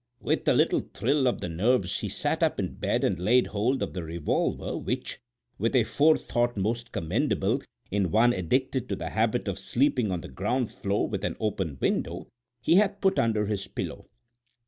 With a little thrill of the nerves he sat up in bed and laid hold of the revolver which, with a forethought most commendable in one addicted to the habit of sleeping on the ground floor with an open window, he had put under his pillow.